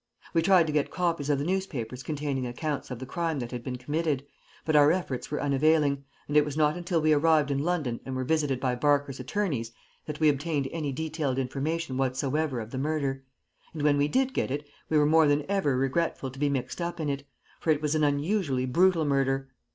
We tried to get copies of the newspapers containing accounts of the crime that had been committed, but our efforts were unavailing, and it was not until we arrived in London and were visited by Barker's attorneys that we obtained any detailed information whatsoever of the murder; and when we did get it we were more than ever regretful to be mixed up in it, for it was an unusually brutal murder.